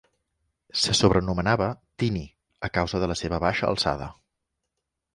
Se sobrenomenava "Tiny", a causa de la seva baixa alçada.